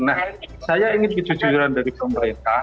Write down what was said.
nah saya ingin kejujuran dari pemerintah